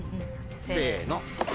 せの。